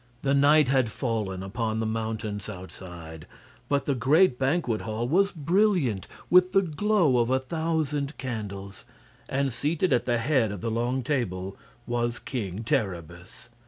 The night had fallen upon the mountains outside, but the great banquet hall was brilliant with the glow of a thousand candles, and seated at the head of the long table was King Terribus.